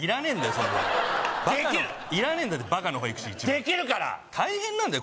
そんなのできるいらねえんだってバカの保育士できるから大変なんだよ